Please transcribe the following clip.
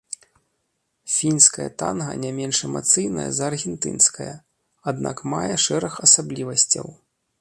Фінскае танга не менш эмацыйнае за аргентынскае, аднак мае шэраг асаблівасцяў.